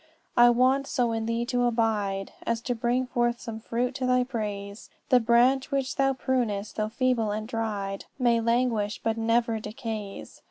"'I want so in thee to abide As to bring forth some fruit to thy praise; The branch which thou prunest, though feeble and dried, May languish, but never decays.